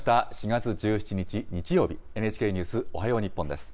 ４月１７日日曜日、ＮＨＫニュースおはよう日本です。